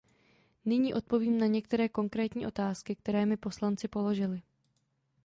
Nyní odpovím na některé konkrétní otázky, které mi poslanci položili.